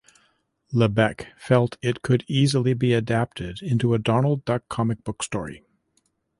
Lebeck felt it could easily be adapted into a Donald Duck comic book story.